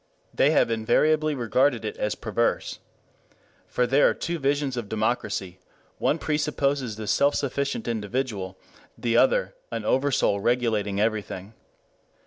They have invariably regarded it as perverse. For there are two visions of democracy: one presupposes the self sufficient individual; the other an Oversoul regulating everything.